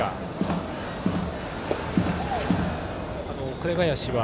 紅林は。